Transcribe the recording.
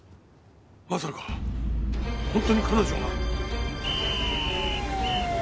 まさか本当に彼女が？